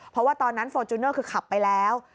เพราะว่าตอนนั้นฟอร์จูเนอร์คือขับไปแล้ว